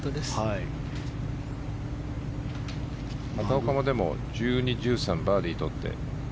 畑岡も１２、１３でバーディーを取って。